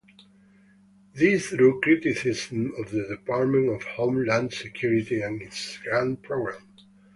This drew criticism of the Department of Homeland Security and its grant program.